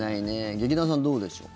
劇団さん、どうでしょう。